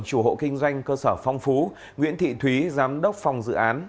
chủ hộ kinh doanh cơ sở phong phú nguyễn thị thúy giám đốc phòng dự án